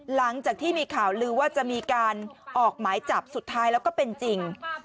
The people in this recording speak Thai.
หลังจากที่มีข่าวลือว่าจะมีการออกหมายจับสุดท้ายแล้วก็เป็นจริง